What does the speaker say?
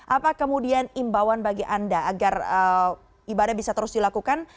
apa kemudian imbauan bagi anda agar ibadah bisa terus dilakukan